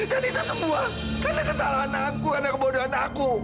dan kita sebuah karena kesalahan aku karena kebodohan aku